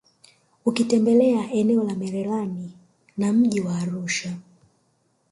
Ukitembelea eneo la Merelani na mji wa Arusha